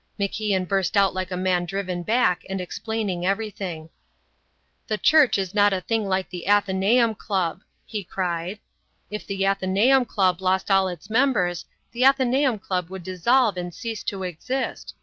MacIan burst out like a man driven back and explaining everything. "The Church is not a thing like the Athenaeum Club," he cried. "If the Athenaeum Club lost all its members, the Athenaeum Club would dissolve and cease to exist.